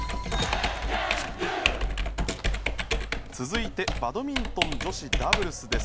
続いてバドミントン女子ダブルスです。